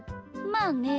まあね。